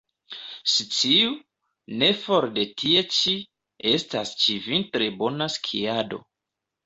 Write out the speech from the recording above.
Sciu, ne fore de tie ĉi, estas ĉi-vintre bona skiado.